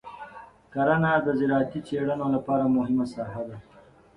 کرنه د زراعتي څېړنو لپاره مهمه ساحه ده.